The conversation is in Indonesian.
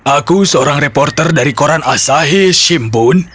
aku seorang reporter dari koran asahi shimbun